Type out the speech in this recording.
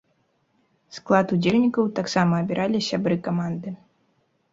Склад удзельнікаў таксама абіралі сябры каманды.